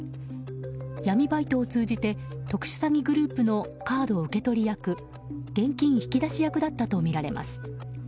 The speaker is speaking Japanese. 闇バイトを通じて特殊詐欺グループのカード受け取り役現金引き出し役だったとみられます。